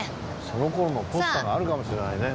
その頃のポスターがあるかもしれないね。